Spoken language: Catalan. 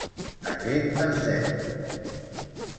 A què es deu?